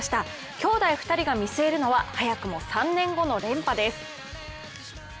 兄妹２人が見据えるのは早くも３年後の連覇です。